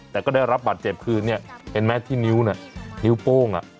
แต่ก็ได้รับบาดเจ็บคืนนี่เห็นไหมที่นิ้วนี่นิ้วโป้งนี่